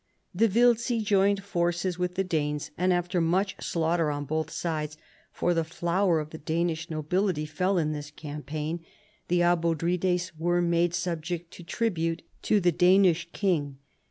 The Wiltzi joined forces with the Danes : and after much slaughter on both sides (for the flower of the Danish nobility fell in this campaign), the Abodrites were made subject to tribute to the Danish king.